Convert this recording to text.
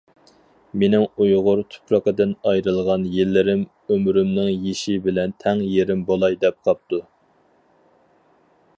مېنىڭ ئۇيغۇر تۇپرىقىدىن ئايرىلغان يىللىرىم ئۆمرۈمنىڭ يېشى بىلەن تەڭ يېرىم بولاي دەپ قاپتۇ.